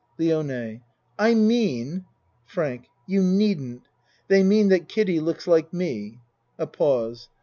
LIONE I mean FRANK You needn't. They mean that Kiddie looks like me. (A pause.